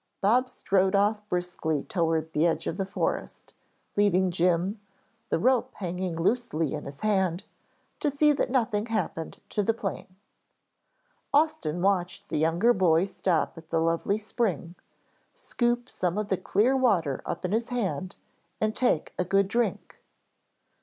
Bob strode off briskly toward the edge of the forest, leaving Jim, the rope hanging loosely in his hand, to see that nothing happened to the plane. Austin watched the younger boy stop at the lovely spring, scoop some of the clear water up in his hand, and take a good drink.